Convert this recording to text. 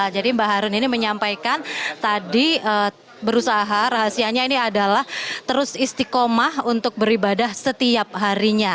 jadi mbak harun ini menyampaikan tadi berusaha rahasianya ini adalah terus istiqomah untuk beribadah setiap harinya